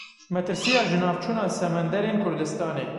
Metirsiya jinavçûna Semenderên Kurdistanê.